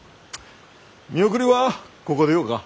見送りはここでよか。